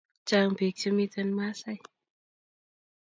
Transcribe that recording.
Chang pik che miten maasai